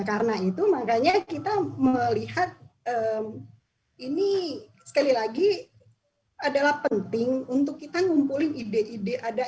karena itu makanya kita melihat ini sekali lagi adalah penting untuk kita ngumpulin ide ide